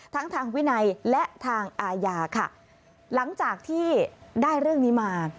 ทางวินัยและทางอาญาค่ะหลังจากที่ได้เรื่องนี้มา